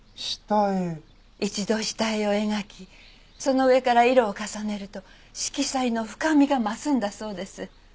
一度下絵を描きその上から色を重ねると色彩の深みが増すんだそうです。